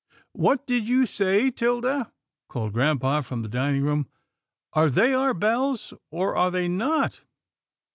What did you say, 'Tilda? " called grampa from the dining room. "Are they our bells, or are they not?